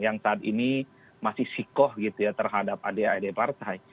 yang saat ini masih sikoh terhadap adik adik partai